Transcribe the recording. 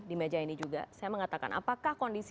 di meja ini juga saya mengatakan apakah kondisi